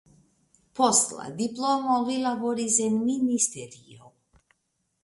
Post la diplomo li laboris en ministerio.